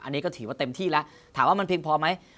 อันนี้ก็ถือว่าเต็มที่แล้วถามว่ามันเพียงพอไหม